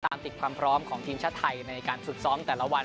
ติดความพร้อมของทีมชาติไทยในการฝึกซ้อมแต่ละวัน